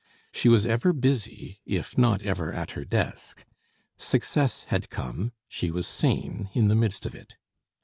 She was ever busy, if not ever at her desk. Success had come; she was sane in the midst of it.